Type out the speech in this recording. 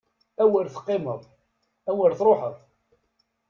Awer teqqimeḍ! Awer truḥeḍ!